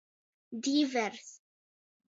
Dīvers.